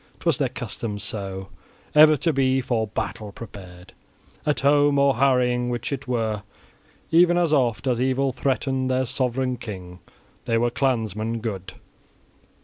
'Twas their custom so ever to be for battle prepared, at home, or harrying, which it were, even as oft as evil threatened their sovran king. They were clansmen good.